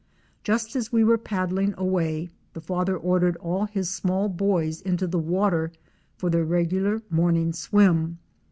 Just as we were paddling away, the Father ordered all his small boys into the water for their regular morning swim.